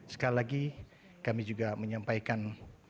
sekali lagi kami juga menyampaikan